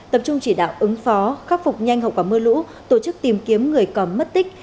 tập trung chỉ đạo ứng phó khắc phục nhanh hậu quả mưa lũ tổ chức tìm kiếm người còn mất tích